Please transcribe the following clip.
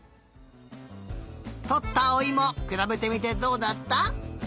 とったおいもくらべてみてどうだった？